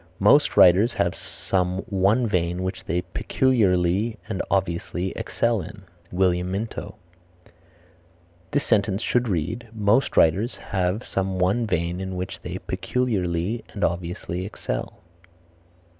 "Most writers have some one vein which they peculiarly and obviously excel in." William Minto. This sentence should read, Most writers have some one vein in which they peculiarly and obviously excel.